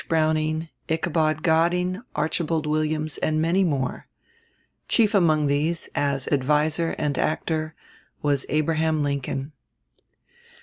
Browning, Ichabod Godding, Archibald Williams, and many more. Chief among these, as adviser and actor, was Abraham Lincoln.